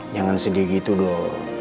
jangan sedih gitu dong